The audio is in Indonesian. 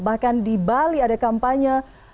bahkan di bali ada kampanye